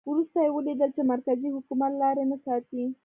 وروسته یې ولیدل چې مرکزي حکومت لاري نه ساتي.